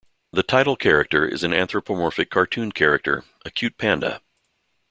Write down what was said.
The title character is an anthropomorphic cartoon character, a cute panda.